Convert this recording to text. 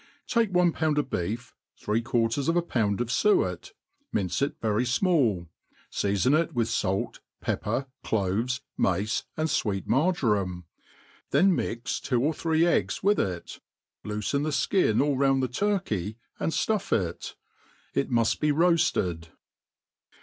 TAKE one pound of beef, three quartnra of a pound eC fiiety ain^ it very fmall, feafon it with fait, pepper, cloves^ mace, and fwee t . maijoram ; then mix t3ieo or three eggs with it, loofen the Ikia all round the turkey, and fluff it« Ujiiuftbcra»fted.